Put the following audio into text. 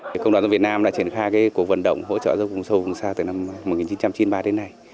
công đoàn giáo dục việt nam đã triển khai cuộc vận động hỗ trợ giáo dục vùng sâu vùng xa từ năm một nghìn chín trăm chín mươi ba đến nay